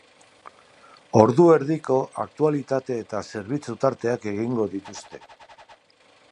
Ordu erdiko aktutalitate eta zerbitzu tarteak egingo dituzte.